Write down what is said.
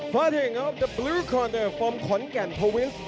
ฟาร์ติงอัพบลูคอร์เนอร์ของขอนแก่นโปรวินทร์